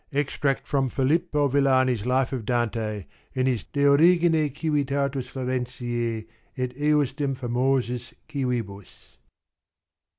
Extract from Filippo Villani's Life of Dante in his De Origine Civitatis Florentice et ejusdem Famosh Cwibus.